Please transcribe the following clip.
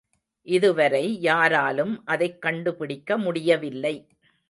இதுவரை யாராலும் அதைக் கண்டுபிடிக்க முடியவில்லை.